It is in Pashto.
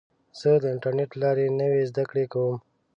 زه د انټرنیټ له لارې نوې زده کړه کوم.